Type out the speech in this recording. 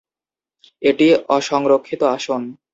এটি অসংরক্ষিত আসন।